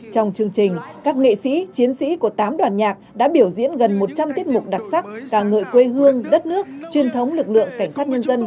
trong chương trình các nghệ sĩ chiến sĩ của tám đoàn nhạc đã biểu diễn gần một trăm linh tiết mục đặc sắc ca ngợi quê hương đất nước truyền thống lực lượng cảnh sát nhân dân